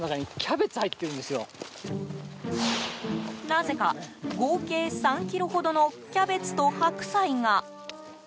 なぜか合計３ｋｇほどのキャベツと白菜が。